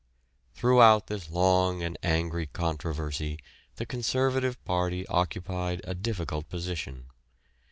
Throughout this long and angry controversy the Conservative party occupied a difficult position.